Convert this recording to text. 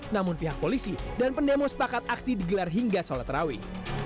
namun pihak polisi dan pendemo sepakat aksi digelar hingga sholat terawih